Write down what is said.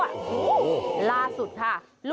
อาแรกใหญ่แล้วล่าสุดค่ะ